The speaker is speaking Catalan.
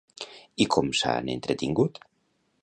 I com s'han entretingut?